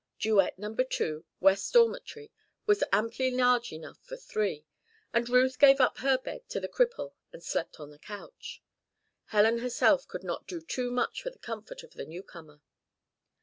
Duet Number 2, West Dormitory, was amply large enough for three, and Ruth gave up her bed to the cripple and slept on a couch. Helen herself could not do too much for the comfort of the newcomer.